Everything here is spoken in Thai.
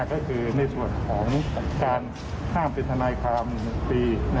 ก็คือในส่วนของการห้ามเป็นทนายความ๑ปี